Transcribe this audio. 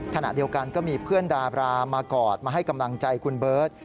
ขณะเดียวกันก็มีเพื่อนดาบรามากอดมาให้กำลังใจคุณเบิร์ต